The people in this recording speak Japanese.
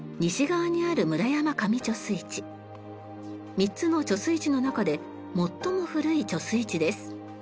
３つの貯水池の中で最も古い貯水池です。